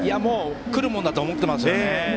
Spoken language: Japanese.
来るものだと思ってますよね。